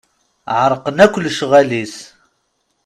Ɛerqen akk lecɣal-is.